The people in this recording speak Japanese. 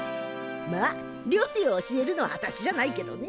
まあ料理を教えるのはあたしじゃないけどね。